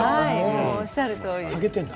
おっしゃるとおりです。